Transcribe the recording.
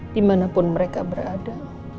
dimanapun mereka berada